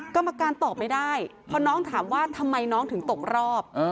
กรรมการตอบไม่ได้เพราะน้องถามว่าทำไมน้องถึงตกรอบ